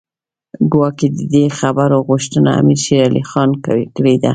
ګواکې د دې خبرو غوښتنه امیر شېر علي خان کړې ده.